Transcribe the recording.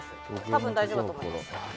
多分、大丈夫だと思います。